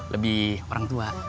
lebih orang tua